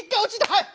はい！